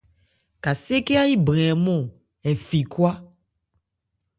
Kasé khhɛ́n áyí brɛn hɛ nmɔ́n ɛ fi khwa.